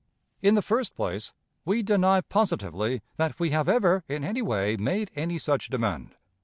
In the first place, we deny positively that we have ever, in any way, made any such demand.